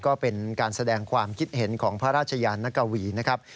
ก็เป็นการแสดงความคิดเห็นของพระราชยานกวีนะครับ